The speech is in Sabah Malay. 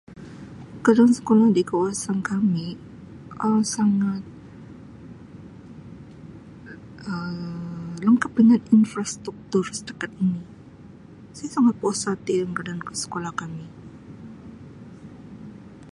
Keadaan sekolah di kawasan kami Um sangat Um lengkap dengan infrastruktur setakat ini saya sangat puas hati dengan keadaan sekolah kami.